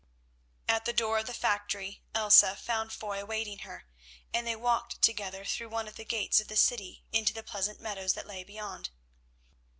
At the door of the factory Elsa found Foy awaiting her, and they walked together through one of the gates of the city into the pleasant meadows that lay beyond.